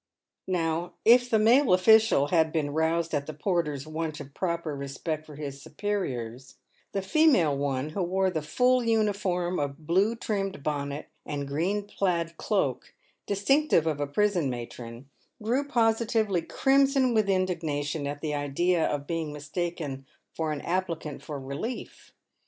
Now, if the male official had been roused at the porter's want of proper respect for his superiors, the female one — who wore the full uniform of blue trimmed bonnet and green plaid cloak, distinctive of a prison matron — grew positively crimson with indignation at the idea of being mistaken for an applicant for relief.